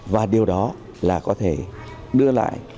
và điều đó là có thể đưa lại